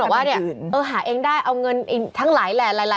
บอกว่าเนี่ยหาเองได้เอาเงินทั้งหลายแหล่หลาย